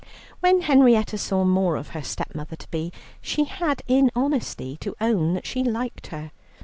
When Henrietta saw more of her stepmother to be, she had in honesty to own that she liked her.